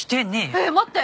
えっ待って。